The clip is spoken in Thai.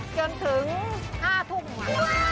จนถึงห้าทุ่งอ่ะ